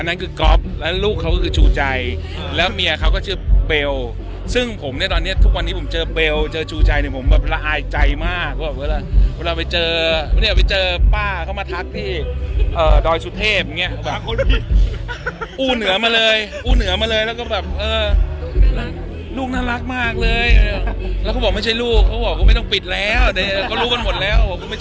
นั้นคือก๊อฟแล้วลูกเขาก็คือชูใจแล้วเมียเขาก็ชื่อเบลซึ่งผมเนี่ยตอนเนี้ยทุกวันนี้ผมเจอเบลเจอชูชัยเนี่ยผมแบบละอายใจมากว่าเวลาไปเจอเนี่ยไปเจอป้าเขามาทักที่ดอยสุเทพอย่างเงี้ยแบบอู้เหนือมาเลยอู้เหนือมาเลยแล้วก็แบบเออลูกน่ารักมากเลยแล้วเขาบอกไม่ใช่ลูกเขาบอกก็ไม่ต้องปิดแล้วแต่ก็รู้กันหมดแล้ว